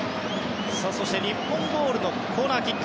日本ボールのコーナーキック。